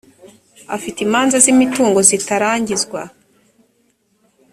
afite imanza z’imitungo zitarangizwa